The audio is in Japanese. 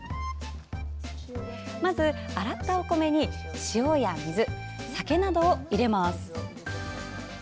まず、洗ったお米に塩や水、酒などを入れます。